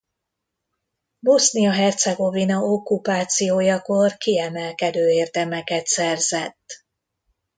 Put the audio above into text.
Bosznia-Hercegovina okkupációjakor kiemelkedő érdemeket szerzett.